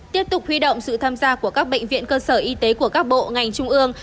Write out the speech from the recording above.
tiếp tục huy động sự tham gia của các bệnh viện cơ sở y tế của các bộ ngành trung ương